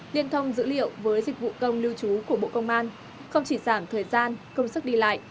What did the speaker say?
liên thông dữ liệu với dịch vụ công lưu trú của bộ công an không chỉ giảm thời gian công sức đi lại